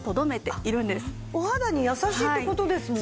お肌に優しいって事ですよね？